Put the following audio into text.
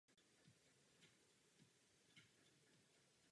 Ten jej sleduje.